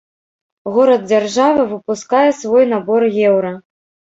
Горад-дзяржава выпускае свой набор еўра.